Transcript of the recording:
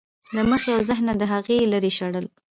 له مخې او ذهنه د هغوی لرې شړل.